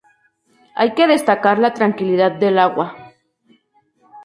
Hay que destacar la tranquilidad del agua.